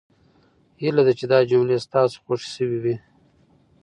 هیله ده چې دا جملې ستاسو خوښې شوې وي.